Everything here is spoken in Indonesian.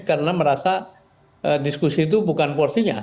karena merasa diskusi itu bukan porsinya